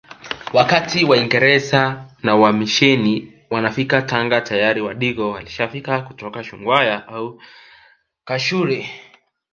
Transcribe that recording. Wakati waingereza na wamisheni wanafika Tanga tayari wadigo walishafika kutoka Shungwaya au kashuri